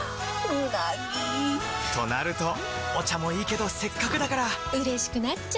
うなぎ！となるとお茶もいいけどせっかくだからうれしくなっちゃいますか！